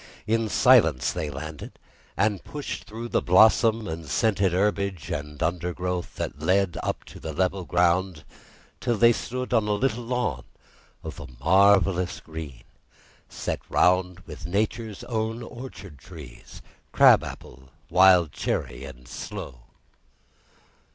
In silence they landed, and pushed through the blossom and scented herbage and undergrowth that led up to the level ground, till they stood on a little lawn of a marvellous green, set round with Nature's own orchard trees—crab apple, wild cherry, and sloe.